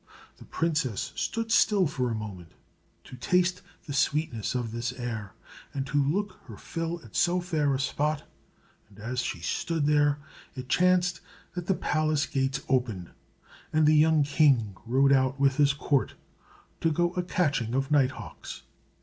The princess stood still for a moment, to taste the sweetness of this air, and to look her fill at so fair a spot; and as she stood there, it chanced that the palace gates opened, and the young king rode out with his court, to go a catching of nighthawks.